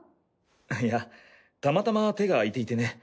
いやたまたま手が空いていてね。